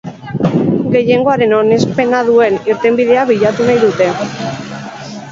Gehiengoaren onespena duen irtenbidea bilatu nahi dute.